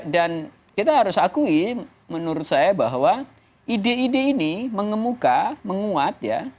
dan kita harus akui menurut saya bahwa ide ide ini mengemuka menguat ya